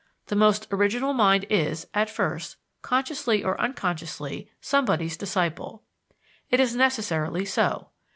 The most original mind is, at first, consciously or unconsciously somebody's disciple. It is necessarily so.